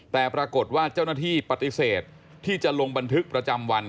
แต่ปรากฏว่าเจ้าหน้าที่ปฏิเสธที่จะลงบันทึกประจำวัน